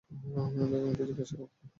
বেগম কে জিজ্ঞাস করতে হবে।